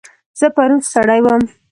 زه پرون ستړی وم.